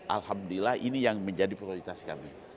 alhamdulillah ini yang menjadi prioritas kami